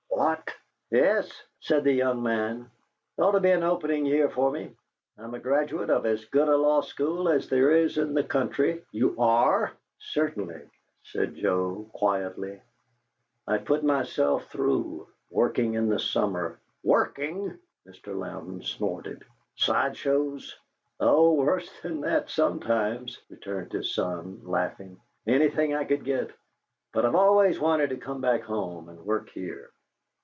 "What!" "Yes," said the young man. "There ought to be an opening here for me. I'm a graduate of as good a law school as there is in the country " "You are!" "Certainly," said Joe, quietly. "I've put myself through, working in the summer " "Working!" Mr. Louden snorted. "Side shows?" "Oh, worse than that, sometimes," returned his son, laughing. "Anything I could get. But I've always wanted to come back home and work here."